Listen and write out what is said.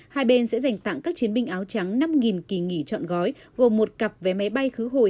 hai bên sẽ dành tặng các chiến binh áo trắng năm kỳ nghỉ trọn gói gồm một cặp vé máy bay khứ hồi